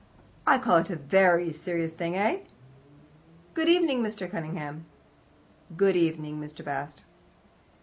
"I call it a very serious thing, eh?" "Good evening, Mr. Cunningham." "Good evening, Mr. Bast."